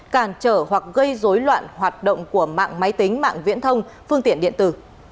cản trở hoặc gây dối loạn hoạt động của mạng máy tính mạng viễn thông phương tiện điện tử